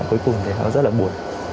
cuối cùng thì nó rất là buồn